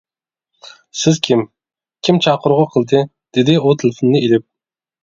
سىز كىم؟ كىم چاقىرغۇ قىلدى؟ دېدى ئۇ تېلېفوننى ئېلىپ.